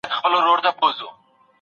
سفیران به د بې عدالتۍ مخنیوی کوي.